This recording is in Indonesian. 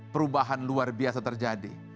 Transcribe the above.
perubahan luar biasa terjadi